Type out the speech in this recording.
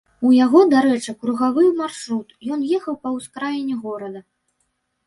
У яго, дарэчы, кругавы маршрут, ён ехаў па ўскраіне горада.